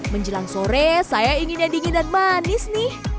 menjelang sore saya ingin yang dingin dan manis nih